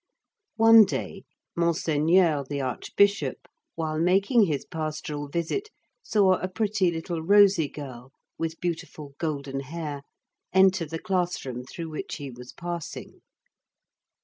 One day Monseigneur the Archbishop while making his pastoral visit saw a pretty little rosy girl with beautiful golden hair enter the class room through which he was passing.